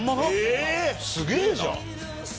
すげえじゃん！